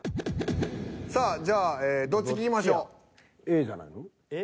さあじゃあどっち聞きましょう？